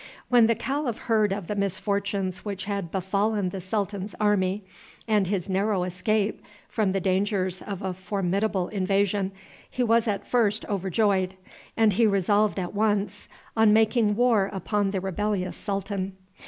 When the calif heard of the misfortunes which had befallen the sultan's army, and his narrow escape from the dangers of a formidable invasion, he was at first overjoyed, and he resolved at once on making war upon the rebellious sultan.